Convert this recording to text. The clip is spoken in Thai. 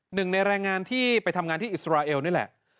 หนึ่งในแรงงานที่ไปทำงานที่อิสราเอลนี่แหละ